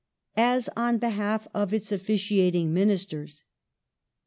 as on behalf of its officiating Ministers